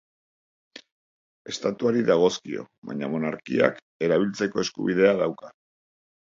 Estatuari dagozkio baina monarkiak erabiltzeko eskubidea dauka.